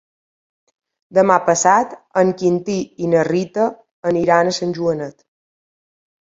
Demà passat en Quintí i na Rita aniran a Sant Joanet.